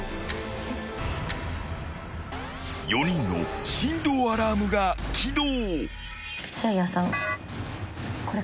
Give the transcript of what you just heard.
［４人の振動アラームが起動］